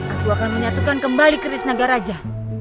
aku akan menyatukan kembali kerisnaga raja